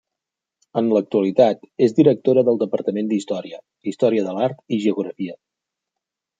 En l'actualitat és directora del Departament d'Història, Història de l'Art i Geografia.